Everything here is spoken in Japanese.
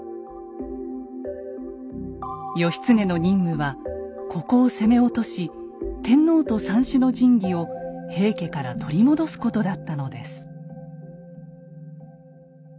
義経の任務はここを攻め落とし天皇と三種の神器を平家から取り戻すことだったのです。